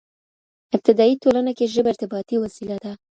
ابتدايي ټولنه کې ژبه ارتباطي وسيله ده.